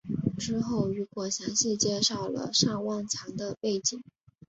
之后雨果详细介绍了尚万强的背景。